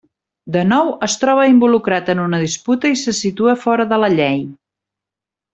De nou es troba involucrat en una disputa i se situa fora de la llei.